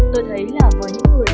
tôi thấy là với những người